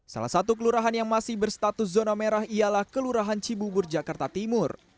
salah satu kelurahan yang masih berstatus zona merah ialah kelurahan cibubur jakarta timur